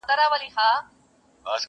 توره هغه ده چي په لاس درغله.